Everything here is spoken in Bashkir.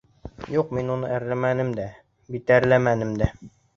Юҡ, мин уны әрләмәнем дә, битәрләмәнем дә.